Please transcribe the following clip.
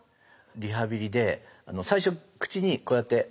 リハビリで最初口にこうやって。